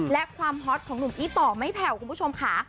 และความฮอตของหนุ่มอี้ต่อไม่แผ่วคุณผู้ชมค่ะ